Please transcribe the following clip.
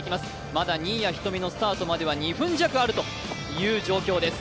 まだ新谷仁美のスタートまでは２分弱あるという状況です。